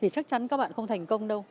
chắc chắn các bạn không thành công đâu